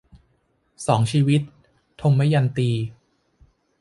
สองชีวิต - ทมยันตี